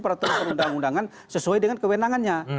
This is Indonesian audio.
peraturan perundangan sesuai dengan kewenangannya